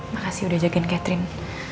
makasih udah jagain catherine